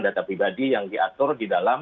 data pribadi yang diatur di dalam